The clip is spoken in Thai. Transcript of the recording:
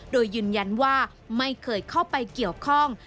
โดยยืนยันว่าไม่เคยเข้าไปเกี่ยวข้อง